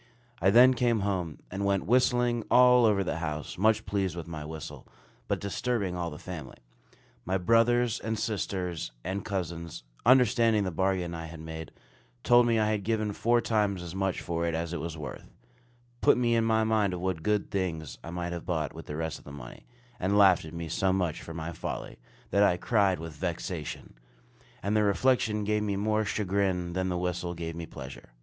I then came home, and went whistling all over the house, much pleased with my whistle, but disturbing all the family. My brothers, and sisters, and cousins, understanding the bargain I had made, told me I had given four times as much for it as it was worth; put me in mind of what good things I might have bought with the rest of the money; and laughed at me so much for my folly, that I cried with vexation; and the reflection gave me more chagrin than the whistle gave me pleasure.